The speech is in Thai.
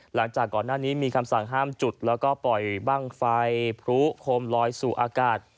หลังจากก่อนหน้านี้มีคำสั่งห้ามจุดแล้วก็ปล่อยบ้างไฟพลุโคมลอยสู่อากาศ